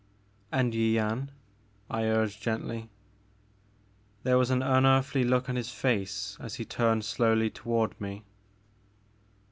'* And Yian," I urged gently. There was an unearthly look on his face as he turned slowly toward me.